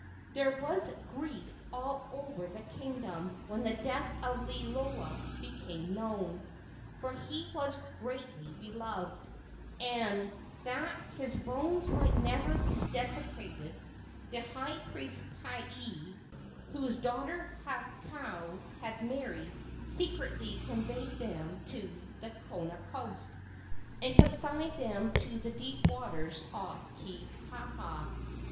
There was grief all over the kingdom when the death of Liloa became known, for he was greatly beloved; and, that his bones might never be desecrated, the high priest Pae, whose daughter Hakau had married, secretly conveyed them to the Kona coast, and consigned them to the deep waters off Kekaha.